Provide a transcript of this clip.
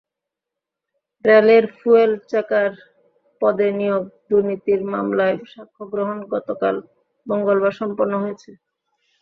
রেলের fuel checker পদে নিয়োগে দুর্নীতির মামলায় সাক্ষ্য গ্রহণ গতকাল মঙ্গলবার সম্পন্ন হয়েছে।